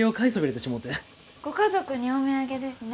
ご家族にお土産ですね。